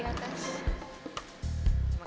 udah berdagun banget musik